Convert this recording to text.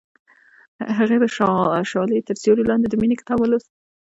هغې د شعله تر سیوري لاندې د مینې کتاب ولوست.